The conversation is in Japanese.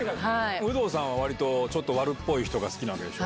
有働さんはわりと、ちょっと悪っぽい人が好きなんでしょ。